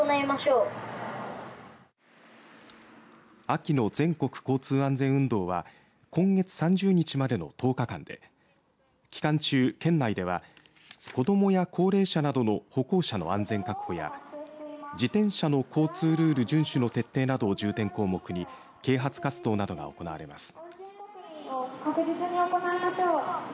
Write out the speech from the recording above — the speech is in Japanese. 秋の全国交通安全運動は今月３０日までの１０日間で期間中、県内では子どもや高齢者などの歩行者の安全確認確保や自転車の交通ルール順守の徹底などを重点項目に啓発活動などが行われます。